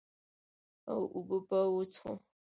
او اوبۀ به وڅښو ـ